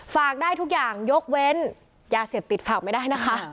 ฝากได้ทุกอย่างยกเว้นยาเสพติดฝากไม่ได้นะคะ